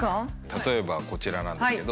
例えばこちらなんですけど。